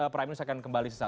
prime news akan kembali sesaat